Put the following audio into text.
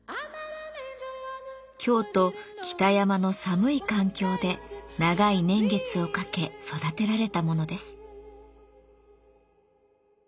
京都北山の寒い環境で長い年月をかけ育てられたものです。